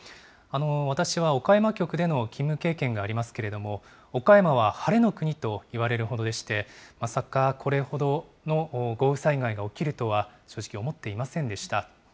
私は岡山局での勤務経験がありますけれども、岡山は晴れの国といわれるほどでして、まさか、これほどの豪雨災害が起きるとは正直思っていませんでした。